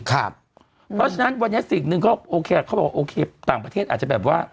เพราะฉะนั้นวันนี้สิ่งหนึ่งเขาโอเคเขาบอกโอเคต่างประเทศอาจจะแบบว่า